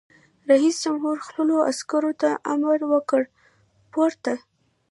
رئیس جمهور خپلو عسکرو ته امر وکړ؛ پورته!